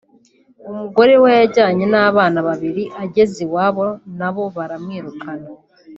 umugore we yajyanye n’abana babiri ageze iwabo nabo baramwirukana